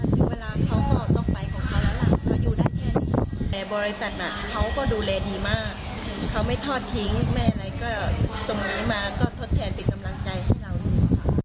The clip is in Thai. ถ้าเขาไม่ทอดทิ้งแม่อะไรก็ตรงนี้มาก็ทดแขนเป็นกำลังใจให้เรานี่